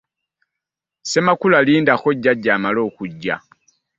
Ssemakula lindako jjajja amale okujja.